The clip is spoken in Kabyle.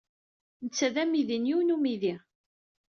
Netta d amidi n yiwen n umidi.